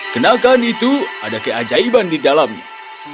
kenaikan itu ada keajaiban di dalamnya